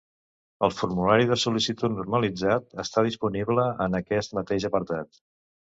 El formulari de sol·licitud normalitzat està disponible en aquest mateix apartat.